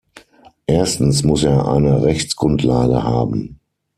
Erstens muss er eine Rechtsgrundlage haben.